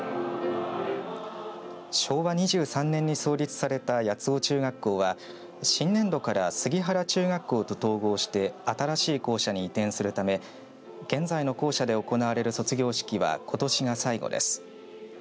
昭和２３年に創立された八尾中学校は新年度から杉原中学校と統合して新しい校舎に移転するため現在の校舎で行われる卒業式はことしが最後です。